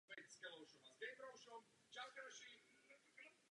V dospělosti zřejmě díky své obří velikosti neměli přirozeného nepřítele.